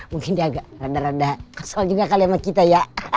mungkin dia agak rada rada kesel juga kali sama kita ya